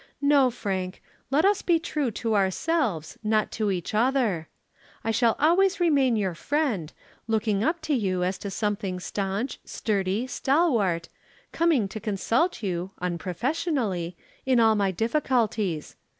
No, Frank, let us be true to ourselves, not to each other. I shall always remain your friend, looking up to you as to something stanch, sturdy, stalwart, coming to consult you (unprofessionally) in all my difficulties.